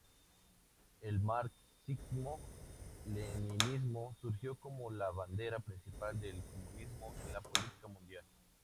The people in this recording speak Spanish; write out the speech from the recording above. El marxismo-leninismo surgió como la bandera principal del comunismo en la política mundial.